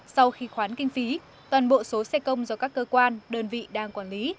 sau khi khoán kinh phí toàn bộ số xe công do các cơ quan đơn vị đang quản lý